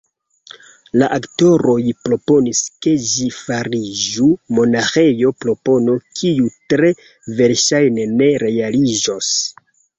La aktoroj proponis, ke ĝi fariĝu monaĥejo – propono, kiu tre verŝajne ne realiĝos.